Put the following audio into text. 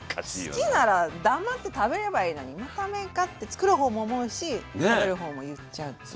好きなら黙って食べればいいのに「また麺か」ってつくる方も思うし食べる方も言っちゃうっていう。